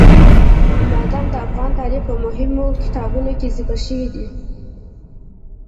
بادام د افغان تاریخ په مهمو کتابونو کې ذکر شوي دي.